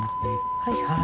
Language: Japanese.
はいはい。